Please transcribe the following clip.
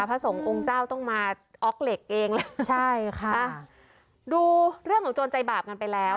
พระสงฆ์องค์เจ้าต้องมาออกเหล็กเองแล้วใช่ค่ะดูเรื่องของโจรใจบาปกันไปแล้ว